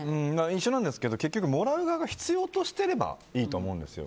一緒なんですけど結局もらう側が必要としていればいいと思うんですよ。